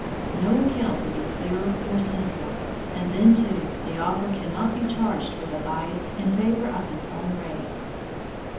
No account could be clearer or simpler; and then too, the author cannot be charged with a bias in favor of his own race.